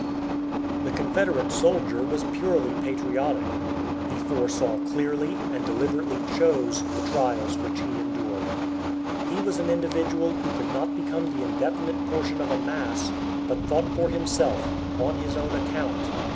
The Confederate soldier was purely patriotic. He foresaw clearly, and deliberately chose, the trials which he endured. He was an individual who could not become the indefinite portion of a mass, but fought for himself, on his own account.